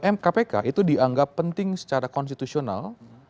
mkpk itu dianggap penting secara konstitusional